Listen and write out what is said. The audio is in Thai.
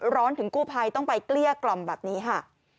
ร้อนถึงกู้ภัยต้องไปเกลี้ยกล่อมแบบนี้ค่ะ